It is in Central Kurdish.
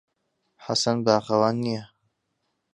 حەسەن باخەوان نییە.